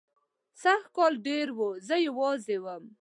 سږکال کار ډېر و، زه یوازې وم.